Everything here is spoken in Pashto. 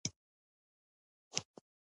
سګرېټ پر میز په قوطۍ کي پراته دي.